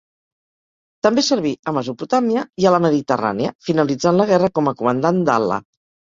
També serví a Mesopotàmia i a la Mediterrània, finalitzant la guerra com a Comandant d'Ala.